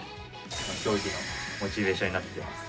競技のモチベーションになっています。